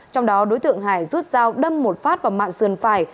trong đó đối tượng hải rút dao đâm một phát vào mạng sườn phải